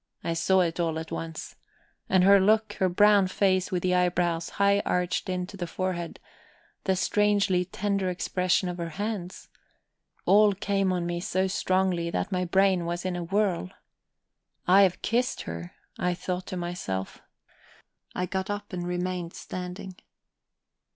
I saw it all at once; and her look, her brown face with the eyebrows high arched into the forehead, the strangely tender expression of her hands, all came on me so strongly that my brain was in a whirl. I have kissed her! I thought to myself. I got up and remained standing.